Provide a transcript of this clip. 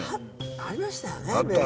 ありましたよね。